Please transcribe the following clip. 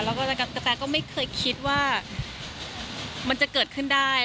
แล้วก็กระแตก็ไม่เคยคิดว่ามันจะเกิดขึ้นได้